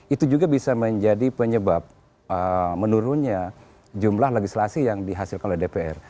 itu juga bisa menjadi penyebab menurunnya jumlah legislasi yang dihasilkan oleh dpr